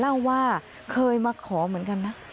เล่าว่าเคยมาขอเหมือนกันนะ